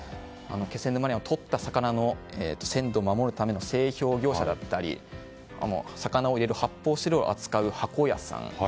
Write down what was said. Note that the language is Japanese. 気仙沼ではとった魚の鮮度を守るための製氷業者だったり魚を入れる発泡スチロールを扱う箱屋さん